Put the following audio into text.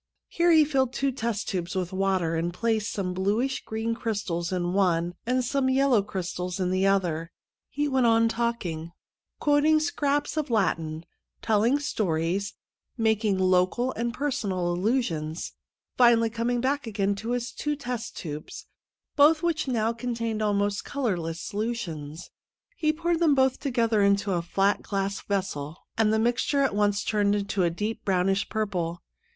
Here he filled two test tubes with water, and placed some bluish green crystals in one and some yellow crystals in the other. He went on talking, quoting scraps of Latin, telling stories, making local and personal allusions, finally coming back again to his two test tubes, both of which now con tained almost colourless solutions. 102 THE END OF A SHOW He poured them both together into a flat glass vessel, and the mixture at once turned to a deep brownish purple.